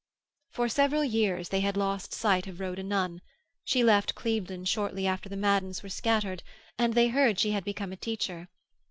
For several years they had lost sight of Rhoda Nunn. She left Clevedon shortly after the Maddens were scattered, and they heard she had become a teacher.